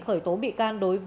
khởi tố bị can đối với